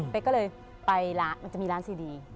เป๊กก็เลยไปมันจะมีร้านซีดี